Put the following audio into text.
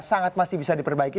sangat masih bisa diperbaiki